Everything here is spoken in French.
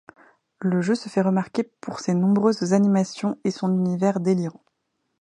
Le jeu se fait remarquer pour ses nombreuses animations et son univers délirant.